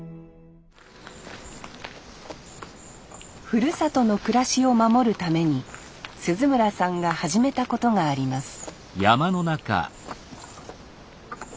ふるさとの暮らしを守るために鈴村さんが始めたことがあります